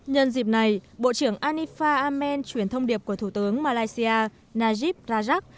nhân dịp này bộ trưởng anifa ammen chuyển thông điệp của thủ tướng malaysia najib rajak